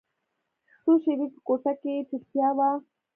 څو شېبې په کوټه کښې چوپتيا وه.